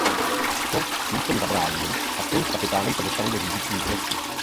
Spock jí v tom zabrání a spolu s kapitánem se dostanou do řídící místnosti.